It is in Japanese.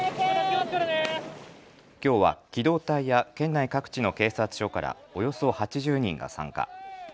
きょうは機動隊や県内各地の警察署からおよそ８０人が参加。